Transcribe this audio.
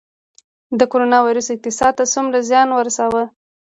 د کرونا ویروس اقتصاد ته څومره زیان ورساوه؟